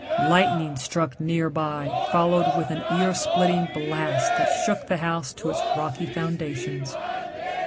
Lightning struck near by followed with an ear splitting blast that shook the house to its rocky foundations.